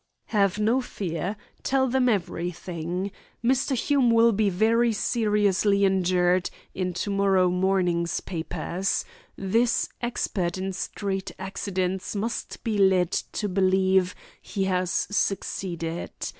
"Have no fear. Tell them everything. Mr. Hume will be very seriously injured in to morrow morning's papers. This expert in street accidents must be led to believe he has succeeded.